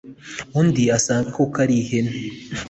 undi asanga koko ari ihene